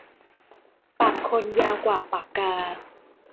ปากคนยาวกว่าปากกา